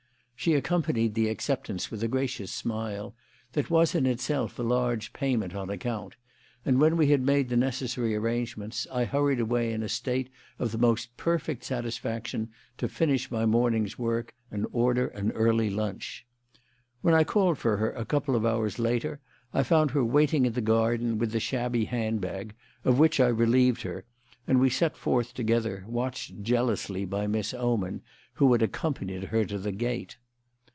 She accompanied the acceptance with a gracious smile that was in itself a large payment on account, and when we had made the necessary arrangements, I hurried away in a state of the most perfect satisfaction to finish my morning's work and order an early lunch. When I called for her a couple of hours later I found her waiting in the garden with the shabby handbag, of which I relieved her, and we set forth together, watched jealously by Miss Oman, who had accompanied her to the gate.